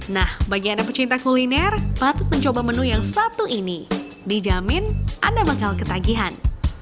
nah bagi anda pecinta kuliner patut mencoba menu yang satu ini dijamin anda bakal ketagihan